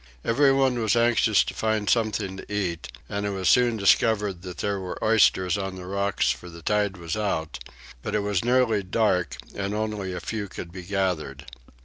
Everyone was anxious to find something to eat, and it was soon discovered that there were oysters on the rocks for the tide was out; but it was nearly dark and only a few could be gathered.